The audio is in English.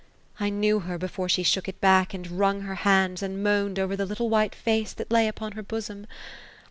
I knew her, before she shook it back, end wrung her hands, and moaned over the little white face that lay upon her bosom.